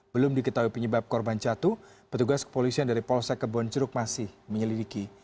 belum diketahui penyebab korban jatuh petugas kepolisian dari polsek kebonceruk masih menyelidiki